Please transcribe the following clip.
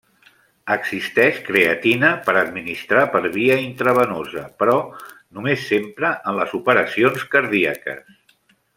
Existeix creatina per administrar per via intravenosa, però només s'empra en les operacions cardíaques.